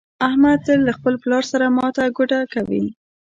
احمد تل له خپل پلار سره ماته ګوډه کوي.